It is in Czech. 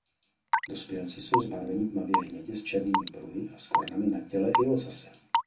Dospělci jsou zbarveni tmavě hnědě s černými pruhy a skvrnami na těle i ocase.